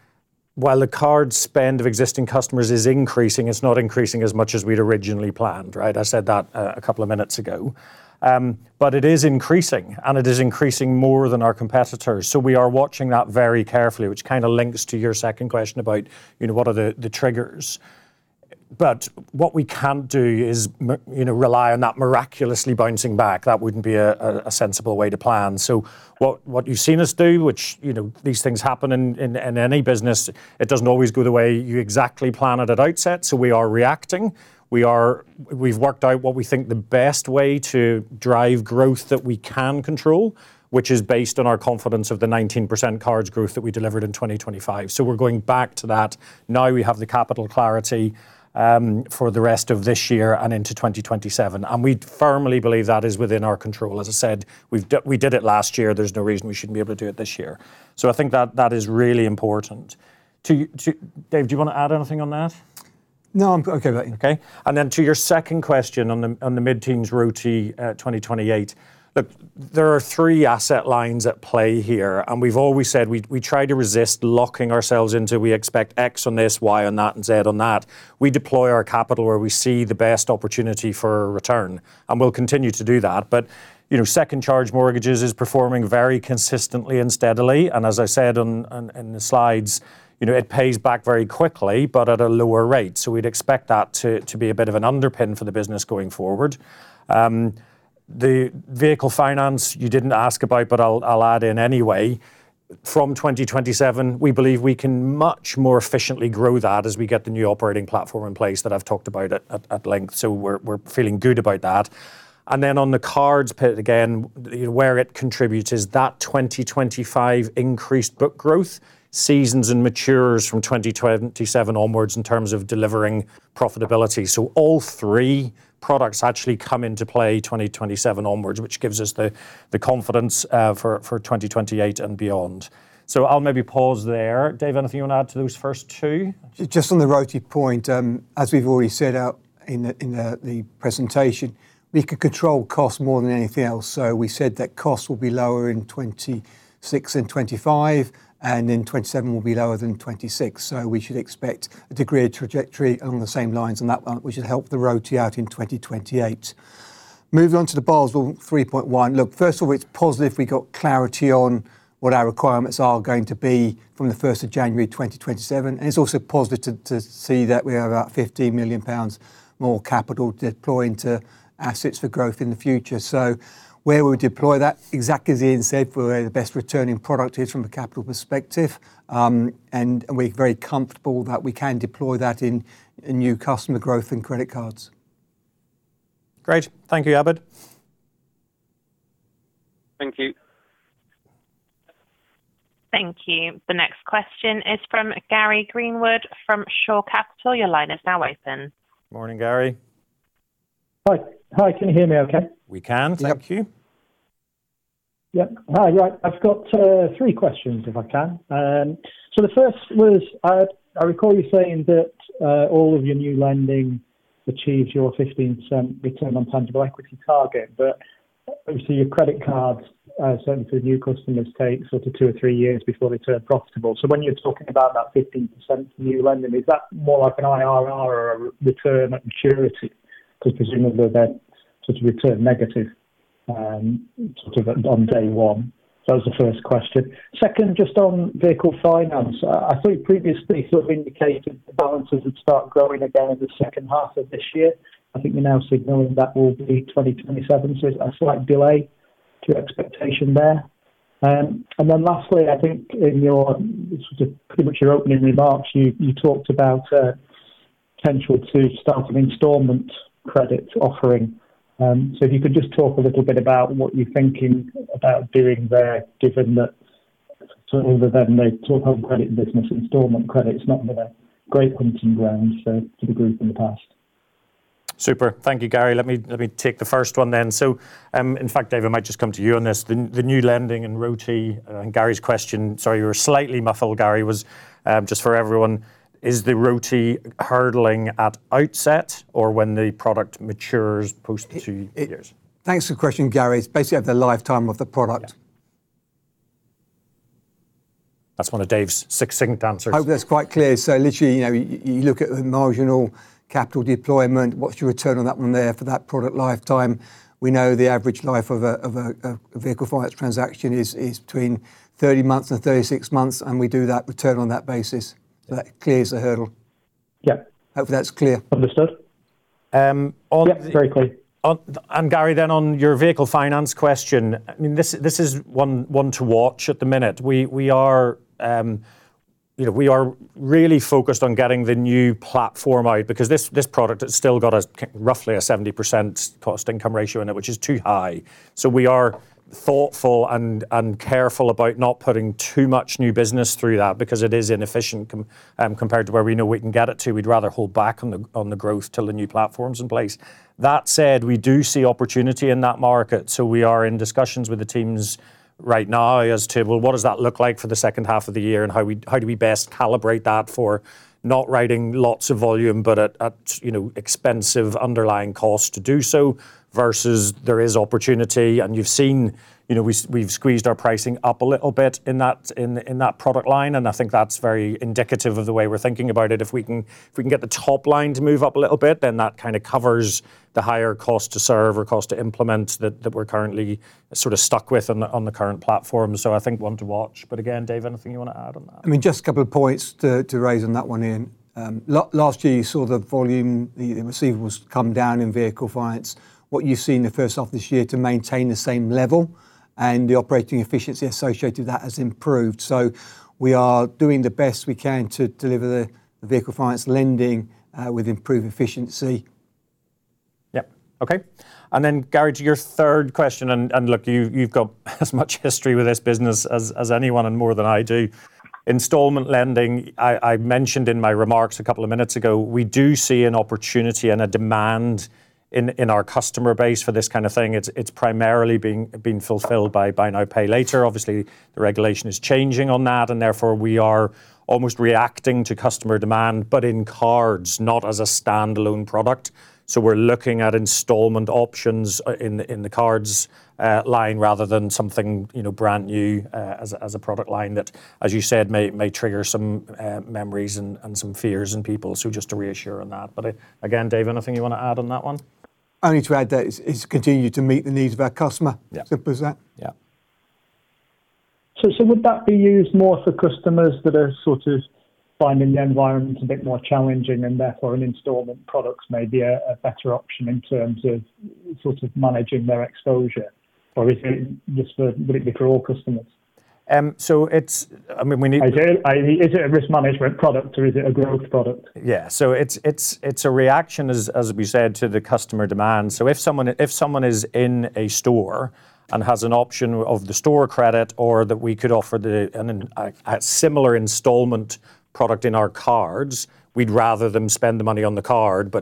while the card spend of existing customers is increasing, it's not increasing as much as we'd originally planned, right? I said that a couple of minutes ago. It is increasing, and it is increasing more than our competitors. We are watching that very carefully, which kind of links to your second question about what are the triggers. What we can't do is rely on that miraculously bouncing back. That wouldn't be a sensible way to plan. What you've seen us do, which these things happen in any business, it doesn't always go the way you exactly plan it at outset, so we are reacting. We've worked out what we think the best way to drive growth that we can control, which is based on our confidence of the 19% cards growth that we delivered in 2025. We're going back to that. Now we have the capital clarity for the rest of this year and into 2027, and we firmly believe that is within our control. As I said, we did it last year. There's no reason we shouldn't be able to do it this year. I think that is really important. Dave, do you want to add anything on that? No, I'm good. Okay. To your second question on the mid-teens ROTE 2028. Look, there are three asset lines at play here, we've always said we try to resist locking ourselves into, we expect X on this, Y on that, and Z on that. We deploy our capital where we see the best opportunity for a return, and we'll continue to do that. Second Charge Mortgages is performing very consistently and steadily. As I said in the slides, it pays back very quickly but at a lower rate. We'd expect that to be a bit of an underpin for the business going forward. The Vehicle Finance you didn't ask about, but I'll add in anyway. From 2027, we believe we can much more efficiently grow that as we get the new operating platform in place that I've talked about at length. We're feeling good about that. On the cards bit again, where it contributes is that 2025 increased book growth seasons and matures from 2027 onwards in terms of delivering profitability. All three products actually come into play 2027 onwards, which gives us the confidence for 2028 and beyond. I'll maybe pause there. Dave, anything you want to add to those first two? Just on the ROTE point. As we've already set out in the presentation, we could control cost more than anything else. We said that costs will be lower in 2026 than 2025, and in 2027 will be lower than 2026. We should expect a degree of trajectory along the same lines and that one, which should help the ROTE out in 2028. Moving on to the Basel 3.1. Look, first of all, it's positive we got clarity on what our requirements are going to be from the 1st of January 2027. It's also positive to see that we have about 15 million pounds more capital deployed into assets for growth in the future. Where we deploy that, exactly as Ian said, where the best returning product is from a capital perspective, and we're very comfortable that we can deploy that in new customer growth and Credit Cards. Great. Thank you, Abid. Thank you. Thank you. The next question is from Gary Greenwood from Shore Capital. Your line is now open. Morning, Gary. Hi. Can you hear me okay? We can. Thank you. Yep. Hi. Right. I've got three questions if I can. The first was, I recall you saying that all of your new lending achieves your 15% ROTE target, but obviously your Credit Cards, certainly for new customers, take sort of two or three years before they turn profitable. When you're talking about that 15% new lending, is that more like an IRR or a return at maturity? Because presumably they're sort of return negative sort of on day one. That was the first question. Second, just on Vehicle Finance. I thought previously you sort of indicated the balances would start growing again in the second half of this year. I think you're now signaling that will be 2027. It's a slight delay to expectation there. Lastly, I think in pretty much your opening remarks, you talked about potential to start an installment credit offering. If you could just talk a little bit about what you're thinking about doing there, given that over then the 12 home credit business installment credit's not been a great hunting ground for the group in the past. Super. Thank you, Gary. Let me take the first one then. In fact, Dave, I might just come to you on this. The new lending and ROTE, and Gary's question, sorry, you were slightly muffled, Gary, was just for everyone, is the ROTE hurdling at outset or when the product matures post two years? Thanks for the question, Gary. It's basically at the lifetime of the product. Yeah. That's one of Dave's succinct answers. Hope that's quite clear. Literally, you look at the marginal capital deployment, what's your return on that one there for that product lifetime? We know the average life of a vehicle finance transaction is between 30 months and 36 months, and we do that return on that basis. That clears the hurdle. Yeah. Hope that's clear. Understood. Yep, very clear Gary, on your Vehicle Finance question, this is one to watch at the minute. We are really focused on getting the new platform out because this product has still got a roughly a 70% cost income ratio in it, which is too high. We are thoughtful and careful about not putting too much new business through that because it is inefficient, compared to where we know we can get it to. We'd rather hold back on the growth till the new platform's in place. That said, we do see opportunity in that market. We are in discussions with the teams right now as to, well, what does that look like for the second half of the year. How do we best calibrate that for not writing lots of volume, but at expensive underlying cost to do so versus there is opportunity. You've seen, we've squeezed our pricing up a little bit in that product line. I think that's very indicative of the way we're thinking about it. If we can get the top line to move up a little bit, that kind of covers the higher cost to serve or cost to implement that we're currently sort of stuck with on the current platform. I think one to watch, again, Dave, anything you want to add on that? Just a couple of points to raise on that one, Ian. Last year you saw the volume, the receivables come down in Vehicle Finance. What you see in the first half of this year to maintain the same level and the operating efficiency associated with that has improved. We are doing the best we can to deliver the Vehicle Finance lending, with improved efficiency. Yep. Okay. Gary, to your third question, look, you've got as much history with this business as anyone, and more than I do. Installment lending, I mentioned in my remarks a couple of minutes ago, we do see an opportunity and a demand in our customer base for this kind of thing. It's primarily being fulfilled by Buy Now, Pay Later. Obviously, the regulation is changing on that, therefore we are almost reacting to customer demand, but in cards, not as a standalone product. We're looking at installment options in the cards line rather than something brand new, as a product line that, as you said, may trigger some memories and some fears in people. Just to reassure on that, again, Dave, anything you want to add on that one? Only to add that it's continued to meet the needs of our customer. Yeah. Simple as that. Yeah. Would that be used more for customers that are finding the environment a bit more challenging and therefore an installment products may be a better option in terms of managing their exposure? Or is it just for, would it be for all customers? It's. Is it a risk management product? Or is it a growth product? Yeah. It's a reaction, as we said, to the customer demand. If someone is in a store and has an option of the store credit or that we could offer a similar installment product in our cards. We'd rather them spend the money on the card.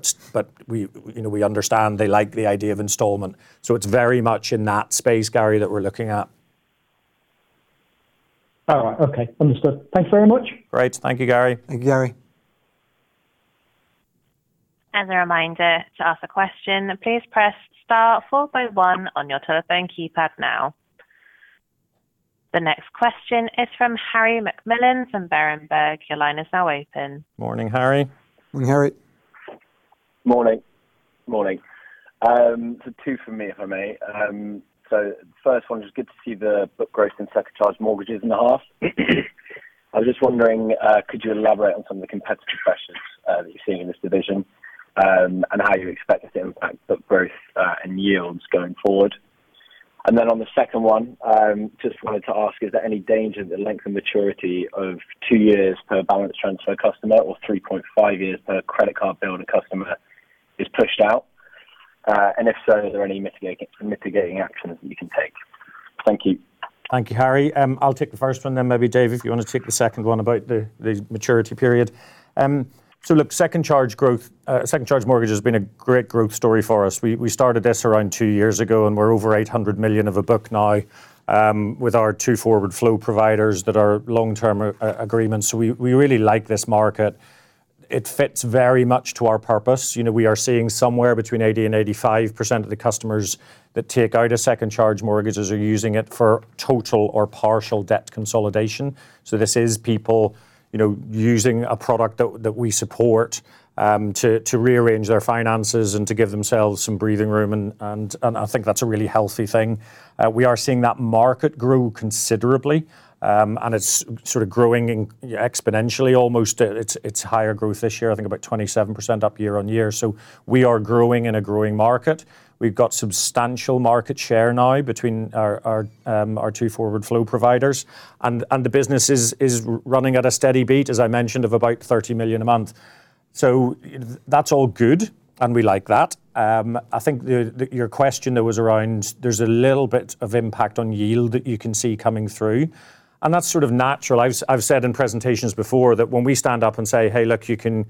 We understand they like the idea of installment, it's very much in that space, Gary, that we're looking at. All right. Okay. Understood. Thanks very much. Great. Thank you Gary. Thank you Gary. As a reminder, to ask a question, please press star followed by one on your telephone keypad now. The next question is from Harry Macmillan from Berenberg. Your line is now open. Morning, Harry. Morning, Harry. Morning. Two from me, if I may. First one, just good to see the book growth in Second Charge Mortgages in the half. I was just wondering, could you elaborate on some of the competitive pressures that you're seeing in this division, and how you expect it to impact book growth and yields going forward? On the second one, just wanted to ask, is there any danger that length and maturity of two years per Balance Transfers customer or 3.5 years per Credit Cards customer is pushed out? If so, are there any mitigating actions that you can take? Thank you. Thank you, Harry. I'll take the first one then maybe Dave, if you want to take the second one about the maturity period. Look, Second Charge Mortgages growth, Second Charge Mortgages has been a great growth story for us. We started this around two years ago, and we're over 800 million of a book now, with our two forward flow providers that are long-term agreements. We really like this market. It fits very much to our purpose. We are seeing somewhere between 80% and 85% of the customers that take out a Second Charge Mortgages are using it for total or partial debt consolidation. This is people using a product that we support, to rearrange their finances and to give themselves some breathing room, and I think that's a really healthy thing. We are seeing that market grow considerably. It's sort of growing exponentially almost. It's higher growth this year, I think about 27% up year-on-year. We are growing in a growing market. We've got substantial market share now between our two forward flow providers and the business is running at a steady beat, as I mentioned, of about 30 million a month. That's all good and we like that. I think your question there was around, there's a little bit of impact on yield that you can see coming through, and that's sort of natural. I've said in presentations before that when we stand up and say, "Hey, look, you can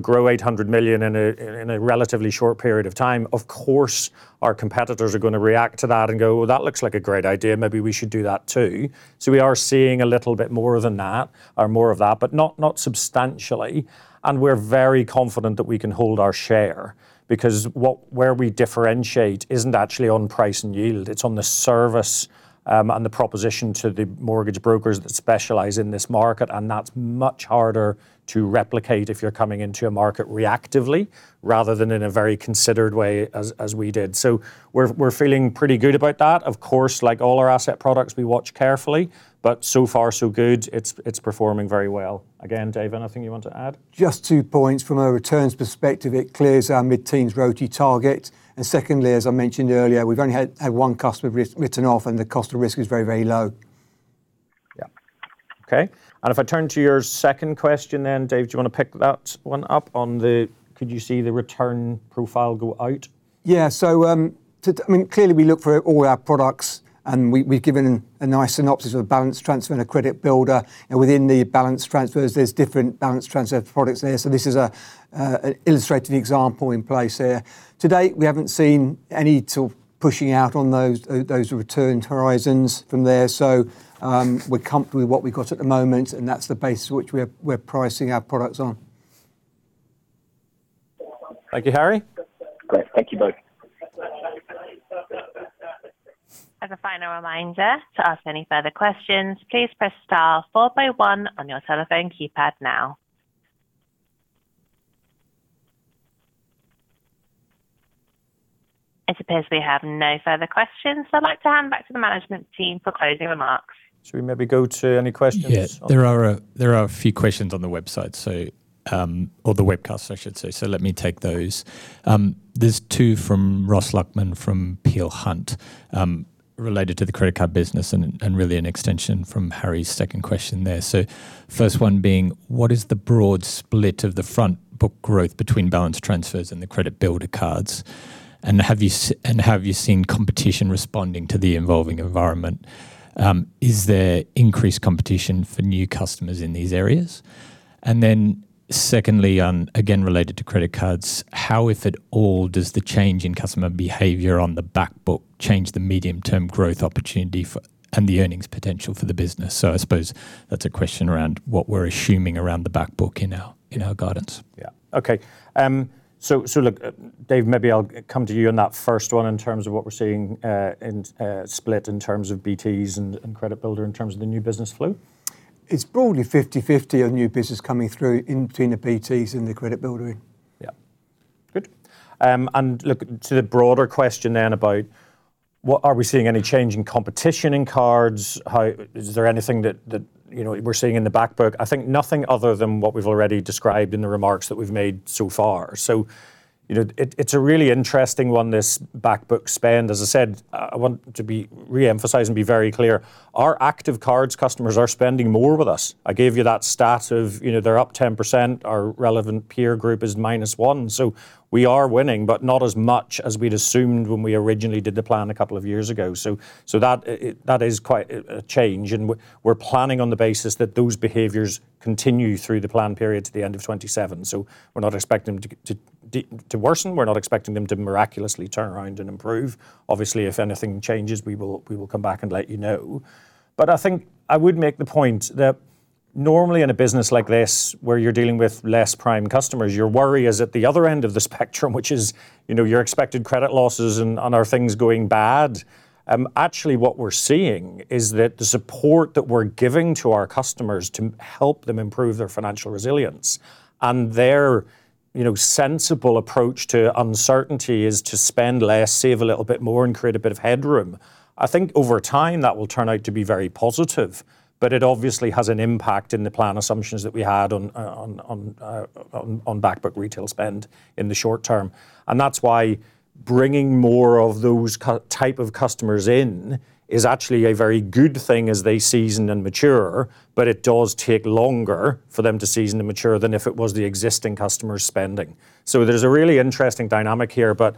grow 800 million in a relatively short period of time," of course, our competitors are going to react to that and go, "Well, that looks like a great idea. Maybe we should do that, too." We are seeing a little bit more of that, but not substantially. We're very confident that we can hold our share, because where we differentiate isn't actually on price and yield, it's on the service, and the proposition to the mortgage brokers that specialize in this market, and that's much harder to replicate if you're coming into a market reactively rather than in a very considered way as we did. We're feeling pretty good about that. Of course, like all our asset products, we watch carefully, but so far so good. It's performing very well. Again, Dave, anything you want to add? Just two points. From a returns perspective, it clears our mid-teens ROTE target. Secondly, as I mentioned earlier, we've only had one customer written off, and the cost of risk is very low. Yeah. Okay. If I turn to your second question then, Dave, do you want to pick that one up on the could you see the return profile go out? Yeah. Clearly, we look for all our products and we've given a nice synopsis of a Balance Transfer and a Credit Builder. Within the Balance Transfers, there's different Balance Transfer products there. This is an illustrated example in place there. To date, we haven't seen any sort of pushing out on those return horizons from there. We're comfortable with what we've got at the moment, and that's the basis which we're pricing our products on. Thank you, Harry. Great. Thank you both. As a final reminder, to ask any further questions, please press star one on your telephone keypad now. It appears we have no further questions, I'd like to hand back to the management team for closing remarks. Should we maybe go to any questions on. Yeah. There are a few questions on the website, or the webcast, I should say. Let me take those. There's two from Ross Luckman from Peel Hunt, related to the Credit Card business and really an extension from Harry's second question there. First one being, what is the broad split of the front book growth between Balance Transfers and the Credit Builder Cards, and have you seen competition responding to the evolving environment? Is there increased competition for new customers in these areas? Secondly, again, related to Credit Cards, how, if at all, does the change in customer behavior on the back book change the medium-term growth opportunity and the earnings potential for the business? I suppose that's a question around what we're assuming around the back book in our guidance. Yeah. Okay. Look, Dave, maybe I'll come to you on that first one in terms of what we're seeing, split in terms of BTs and Credit Builder in terms of the new business flow. It's broadly 50/50 on new business coming through in between the BTs and the Credit Builder. Yeah. Good. Look, to the broader question about are we seeing any change in competition in cards? Is there anything that we're seeing in the back book? I think nothing other than what we've already described in the remarks that we've made so far. It's a really interesting one, this back book spend. As I said, I want to reemphasize and be very clear, our active cards customers are spending more with us. I gave you that stat of they're up 10%, our relevant peer group is -1. We are winning, but not as much as we'd assumed when we originally did the plan a couple of years ago. That is quite a change and we're planning on the basis that those behaviors continue through the plan period to the end of 2027. We're not expecting them to worsen. We're not expecting them to miraculously turn around and improve. Obviously, if anything changes, we will come back and let you know. I think I would make the point that normally in a business like this, where you're dealing with less prime customers, your worry is at the other end of the spectrum, which is your expected credit losses and are things going bad. Actually, what we're seeing is that the support that we're giving to our customers to help them improve their financial resilience and their sensible approach to uncertainty is to spend less, save a little bit more, and create a bit of headroom. I think over time that will turn out to be very positive, but it obviously has an impact in the plan assumptions that we had on back book retail spend in the short term. That's why bringing more of those type of customers in is actually a very good thing as they season and mature, but it does take longer for them to season and mature than if it was the existing customers spending. There's a really interesting dynamic here, but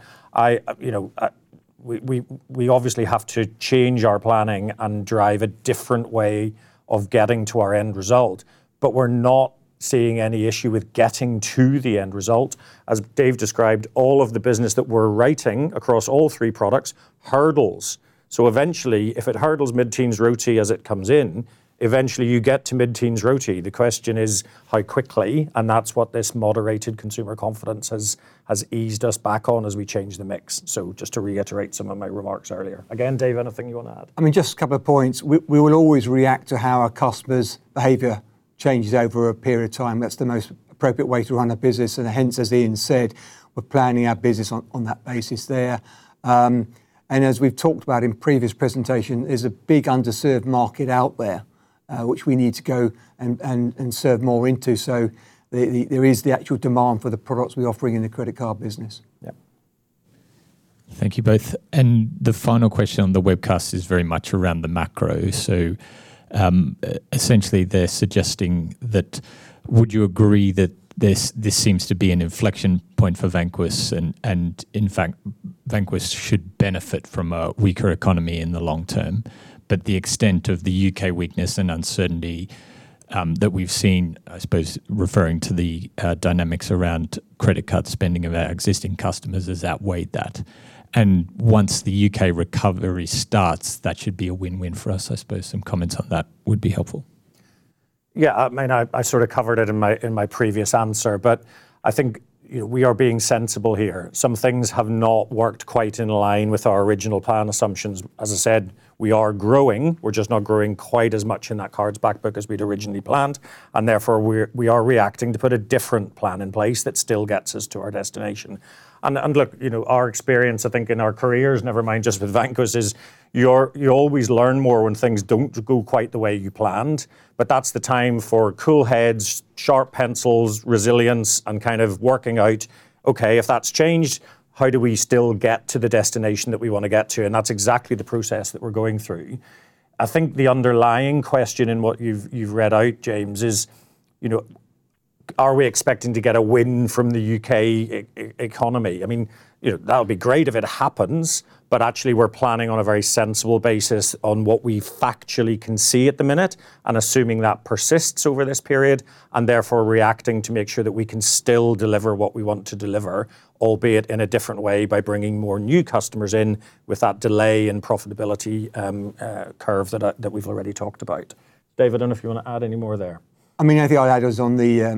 we obviously have to change our planning and drive a different way of getting to our end result. We're not seeing any issue with getting to the end result. As Dave described, all of the business that we're writing across all three products hurdles. Eventually, if it hurdles mid-teens ROTE as it comes in, eventually you get to mid-teens ROTE. The question is how quickly, and that's what this moderated consumer confidence has eased us back on as we change the mix. Just to reiterate some of my remarks earlier. Again, Dave, anything you want to add? Just a couple of points. We will always react to how our customers' behavior changes over a period of time. That's the most appropriate way to run a business, and hence, as Ian said, we're planning our business on that basis there. As we've talked about in previous presentation, there's a big underserved market out there, which we need to go and serve more into. There is the actual demand for the products we're offering in the Credit Card business. Yeah. Thank you both. The final question on the webcast is very much around the macro. Essentially, they're suggesting that would you agree that this seems to be an inflection point for Vanquis and, in fact, Vanquis should benefit from a weaker economy in the long term, but the extent of the U.K. weakness and uncertainty, that we've seen, I suppose, referring to the dynamics around Credit Card spending of our existing customers, has outweighed that. Once the U.K. recovery starts, that should be a win-win for us? I suppose some comments on that would be helpful. Yeah. I mean, I sort of covered it in my previous answer, I think we are being sensible here. Some things have not worked quite in line with our original plan assumptions. As I said, we are growing. We're just not growing quite as much in that cards back book as we'd originally planned, therefore, we are reacting to put a different plan in place that still gets us to our destination. Look, our experience, I think, in our careers, never mind just with Vanquis, is you always learn more when things don't go quite the way you planned. That's the time for cool heads, sharp pencils, resilience, and kind of working out, okay, if that's changed, how do we still get to the destination that we want to get to? That's exactly the process that we're going through. I think the underlying question in what you've read out, James, is are we expecting to get a win from the U.K. economy? That would be great if it happens, actually, we're planning on a very sensible basis on what we factually can see at the minute, assuming that persists over this period. Therefore, reacting to make sure that we can still deliver what we want to deliver, albeit in a different way, by bringing more new customers in with that delay in profitability curve that we've already talked about. David, I don't know if you want to add any more there. I think I'd add is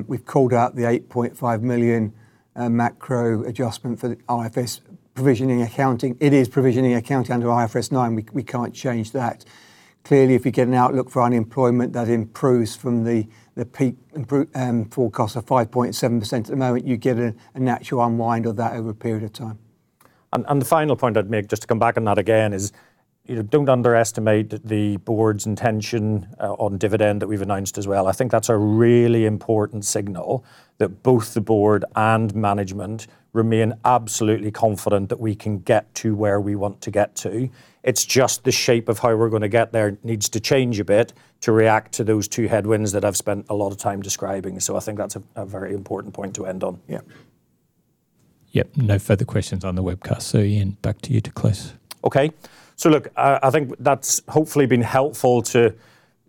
we've called out the 8.5 million macro adjustment for the IFRS provisioning accounting. It is provisioning accounting under IFRS 9, we can't change that. Clearly, if you get an outlook for unemployment that improves from the peak forecast of 5.7% at the moment, you get a natural unwind of that over a period of time. The final point I'd make, just to come back on that again, is don't underestimate the Board's intention on dividend that we've announced as well. I think that's a really important signal that both the board and management remain absolutely confident that we can get to where we want to get to. It's just the shape of how we're going to get there needs to change a bit to react to those two headwinds that I've spent a lot of time describing. I think that's a very important point to end on. Yeah. Yep. No further questions on the webcast. Ian, back to you to close. Okay. Look, I think that's hopefully been helpful to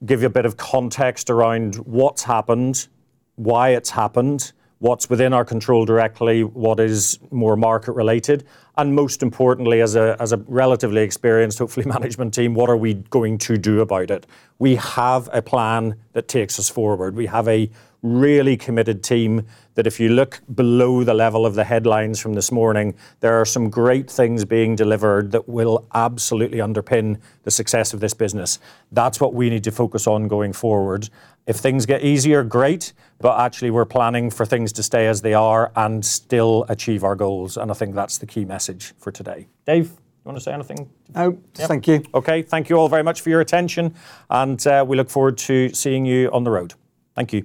give you a bit of context around what's happened, why it's happened, what's within our control directly, what is more market related, and most importantly, as a relatively experienced, hopefully, management team, what are we going to do about it. We have a plan that takes us forward. We have a really committed team that if you look below the level of the headlines from this morning, there are some great things being delivered that will absolutely underpin the success of this business. That's what we need to focus on going forward. If things get easier, great, but actually, we're planning for things to stay as they are and still achieve our goals. I think that's the key message for today. Dave, you want to say anything? No. Thank you. Okay. Thank you all very much for your attention. We look forward to seeing you on the road. Thank you.